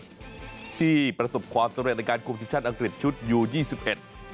ที่ประสบความสำเร็จในการคุมทีมชาติอังกฤษชุดยูยี่สิบเอ็ด